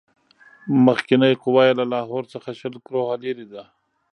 مخکنۍ قوه یې له لاهور څخه شل کروهه لیري ده.